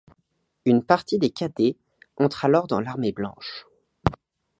Une partie des cadets entre alors dans l'Armée blanche.